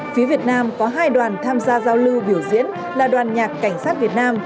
phía việt nam có hai đoàn tham gia giao lưu biểu diễn là đoàn nhạc cảnh sát việt nam